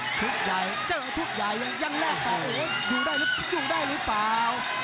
อ่าชุดใหญ่ชุดใหญ่ยังแรกต่ออยู่ได้หรือเปล่า